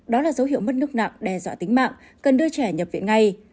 đó là dấu hiệu mất nước nặng đe dọa tính mạng cần đưa trẻ nhập viện ngay